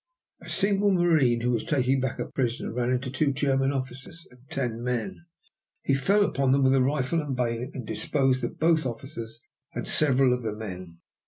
A single marine who was taking back a prisoner ran into two German officers and ten men. He fell upon them with rifle and bayonet and disposed of both officers and several of the men.